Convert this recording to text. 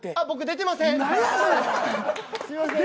出てません。